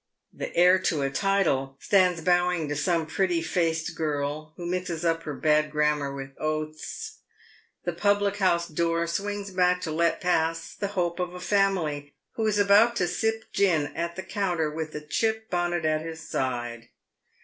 The " heir to a title" stands bowing to some pretty faced girl, who mixes up her bad grammar with oaths. The public house door swings back to let pass the " hope of a family," who is about to sip gin at the counter with the chip bonnet at his side.